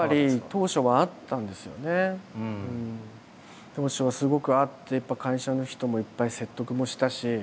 当初はすごくあってやっぱ会社の人もいっぱい説得もしたし。